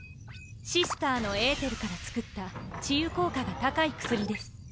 シスターのエーテルから作った治癒効果が高い薬です。